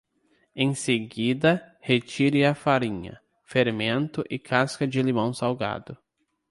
Em seguida, retire a farinha, fermento e casca de limão salgado.